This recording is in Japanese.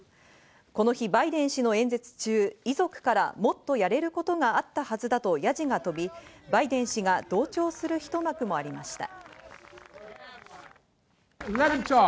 この日、バイデン氏の演説中、遺族からもっとやれることがあったはずだとやじが飛び、バイデン氏が同調する一幕もありました。